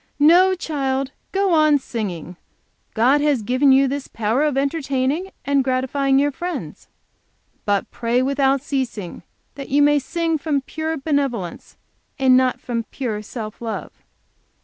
"No child, go on singing; God has given you this power of entertaining and, gratifying your friends. But, pray without ceasing, that you may sing from pure benevolence and not from pure self love."